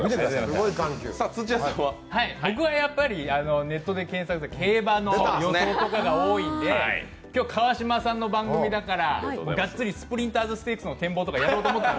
僕はやっぱりネットで検索するのは競馬の予想が多いので、今日、川島さんの番組だから、がっつりスプリンターズステークスの展望とかやろうと思ったの。